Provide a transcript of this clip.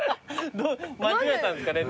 間違えたんですかね？